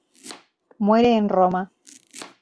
Muere en Roma.